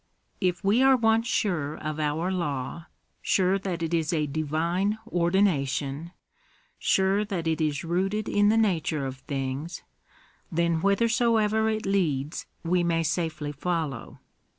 If we are once sure of our law — sure that it is a Divine ordi nation — sure that it is rooted in the nature of things, then whithersoever it leads we may safely follow.